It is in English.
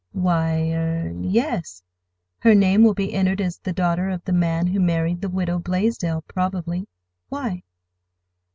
"Why—er—yes; her name will be entered as the daughter of the man who married the Widow Blaisdell, probably. Why?"